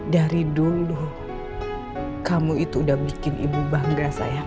dari dulu kamu itu udah bikin ibu bangga saya